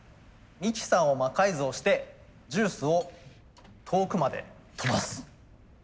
ミキサーを魔改造してジュースを遠くまで飛ばす。